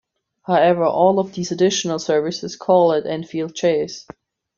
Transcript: However, all of these additional services call at Enfield Chase.